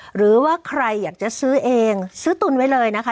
หรือว่าใครอยากจะซื้อเองซื้อตุนไว้เลยนะคะ